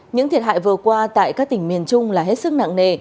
những thiệt hại vừa qua tại các tỉnh miền trung là hết sức nặng nề